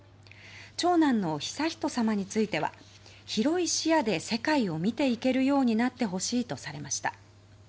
長男の悠仁さまについては広い視野で世界を見ていけるようになってほしいとされました。